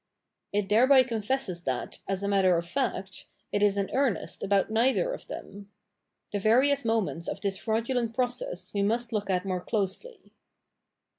It thereby confesses that, as a matter of fact, it is in earnest about neither of them. The various moments of this fraudulent process we must look at more closely.